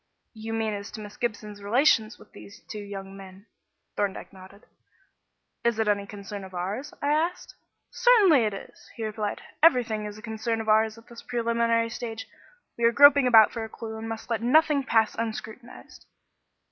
"You mean as to Miss Gibson's relations with these two young men?" Thorndyke nodded. "Is it any concern of ours?" I asked. "Certainly it is," he replied. "Everything is a concern of ours at this preliminary stage. We are groping about for a clue and must let nothing pass unscrutinised."